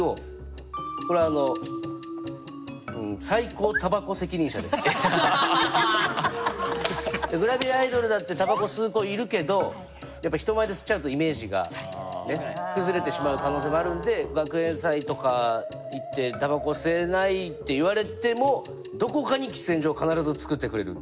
これはあのうんグラビアアイドルだってタバコ吸う子いるけどやっぱ人前で吸っちゃうとイメージが崩れてしまう可能性もあるんで学園祭とか行ってタバコ吸えないって言われてもどこかに喫煙所を必ず作ってくれる。